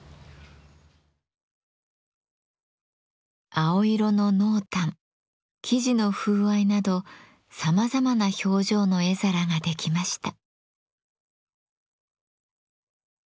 青色の濃淡生地の風合いなどさまざまな表情の絵皿が出来ました。